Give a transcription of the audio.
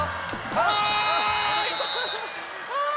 はい！